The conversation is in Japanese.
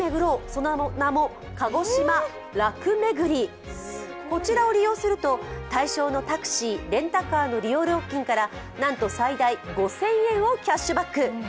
その名もかごしま×楽巡、こちらを利用する対象のタクシーレンタカーの利用料金からなんと最大５０００円をキャッシュバック。